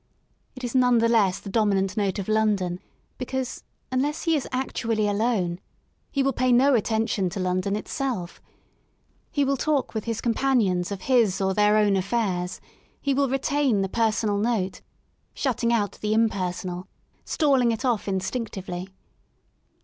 It is none the less the dominant note of London ; because, unless he is actually alone he will pay no attention to London itself* He will talk with his companions of his or their own affairs; he will retain the personal note, shutting out the impersonal, stalling it off instinctively.